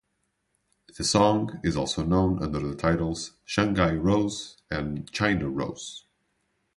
The song is also known under the titles "Shanghai Rose" and "China Rose.